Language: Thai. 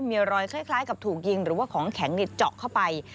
มีรอยคล้ายกับถูกยิงหรือว่าของแข็งเจาะเข้าไป